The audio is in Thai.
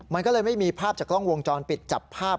มันก็เลยไม่มีภาพจากกล้องวงจรปิดจับภาพ